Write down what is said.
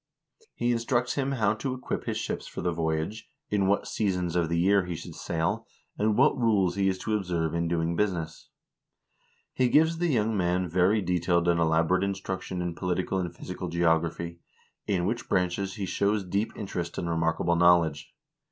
He instructs him how to equip his ships for the voyage, in what seasons of the year he should sail, and what rules he is to observe in doing business. He gives the young man very detailed and elaborate instruction in political and physical geography, in which branches he shows deep interest and remarkable knowledge.